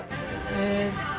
えっと